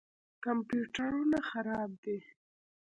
کمپیوټرونه خراب دي.